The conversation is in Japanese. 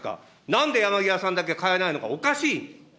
なんで山際さんだけ代えないのか、おかしい。